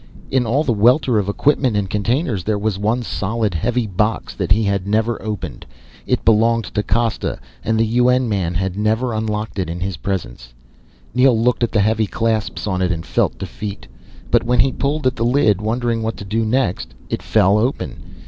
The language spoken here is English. In all the welter of equipment and containers, there was one solid, heavy box that he had never opened. It belonged to Costa, and the UN man had never unlocked it in his presence. Neel looked at the heavy clasps on it and felt defeat. But when he pulled at the lid, wondering what to do next, it fell open.